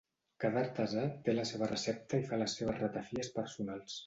Cada artesà té la seva recepta i fa les seves ratafies personals.